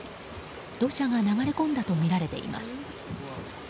土砂が流れ込んだとみられています。